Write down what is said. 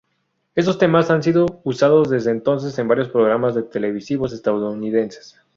Estos temas han sido usados desde entonces en varios programas televisivos estadounidenses.